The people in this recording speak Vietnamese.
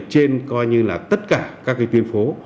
trên tất cả các tuyển phố